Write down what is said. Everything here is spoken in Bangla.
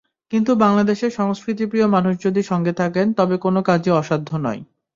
কিন্তু বাংলাদেশের সংস্কৃতিপ্রিয় মানুষ যদি সঙ্গে থাকেন, তবে কোনো কাজই অসাধ্য নয়।